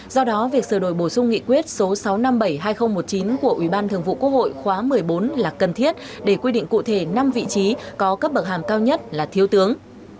do đó việc sửa đổi bổ sung nghị quyết số sáu trăm năm mươi bảy hai nghìn một mươi chín của ủy ban thường vụ quốc hội khóa một mươi bốn là cần thiết để quy định cụ thể năm vị trí có cấp bậc hàm cao nhất là thiếu tướng